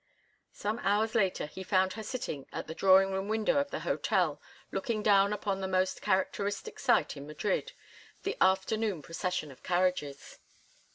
Some hours later he found her sitting at the drawing room window of the hotel looking down upon the most characteristic sight in Madrid—the afternoon procession of carriages.